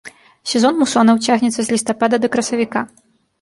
Сезон мусонаў цягнецца з лістапада да красавіка.